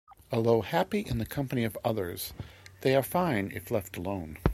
Although happy in the company of others, they are fine if left alone.